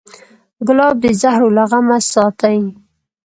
ګلاب د زهرو له غمه ساتي.